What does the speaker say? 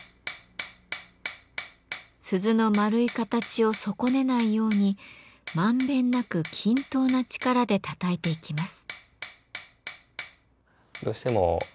鈴の丸い形を損ねないように満遍なく均等な力でたたいていきます。